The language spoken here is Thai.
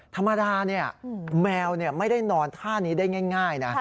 ธรรมดาแมวไม่ได้นอนท่านี้ได้ง่ายนะ